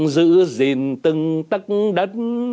giữ gìn từng tấc đất